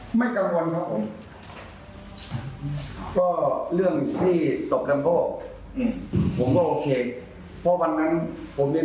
ผมจะมามอบตัวมีมันขึ้นประจำวันเรียบร้อย